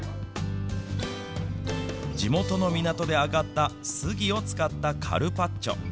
地元の港で揚がったスギを使ったカルパッチョ。